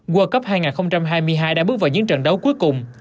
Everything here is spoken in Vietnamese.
world cup hai nghìn hai mươi hai đã bước vào những trận đấu cuối cùng